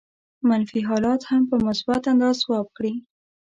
منفي حالات هم په مثبت انداز ځواب کړي.